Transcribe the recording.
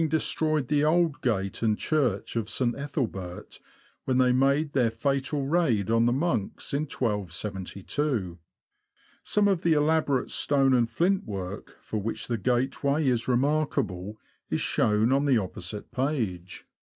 75 destroyed the old gate and church of St. Ethelbert, when they made their fatal raid on the monks in 1272. Some of the elaborate stone and flint work for which the gateway is remarkable is shown on the opposite page.